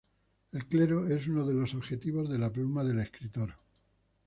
El clero es uno de los objetivos de la pluma del escritor.